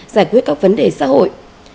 giải quyết các vấn đề xã hội